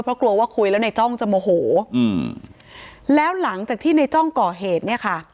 เพราะกลัวว่าคุยแล้วในจ้องจะโมโหอืมแล้วหลังจากที่ในจ้องก่อเหตุเนี่ยค่ะ